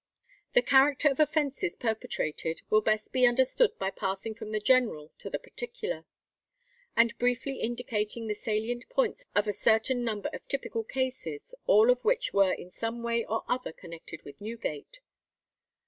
The character of offences perpetrated will best be understood by passing from the general to the particular, and briefly indicating the salient points of a certain number of typical cases, all of which were in some way or other connected with Newgate.